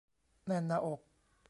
แน่นหน้าอก